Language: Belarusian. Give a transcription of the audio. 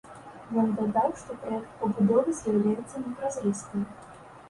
Ён дадаў, што праект пабудовы з'яўляецца непразрыстым.